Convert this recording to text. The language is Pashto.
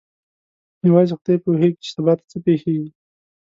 یوازې خدای پوهېږي چې سبا ته څه پېښیږي.